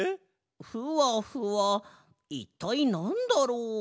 ふわふわいったいなんだろう？